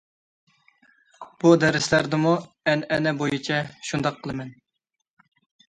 بۇ دەرسلەردىمۇ ئەنئەنە بويىچە شۇنداق قىلىمەن.